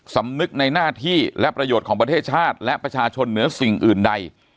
สำนึกในหน้าที่และประโยชน์ของประเทศชาติและประชาชนเหนือสิ่งอื่นใด